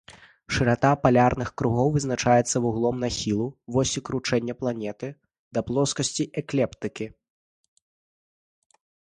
Шырата палярных кругоў вызначаецца вуглом нахілу восі кручэння планеты да плоскасці экліптыкі.